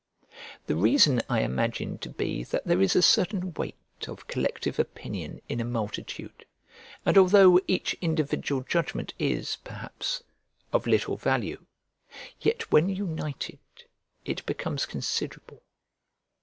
The reason I imagine to be that there is a certain weight of collective opinion in a multitude, and although each individual judgment is, perhaps, of little value, yet when united it becomes considerable.